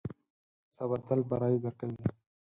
صبر تل بری درکوي.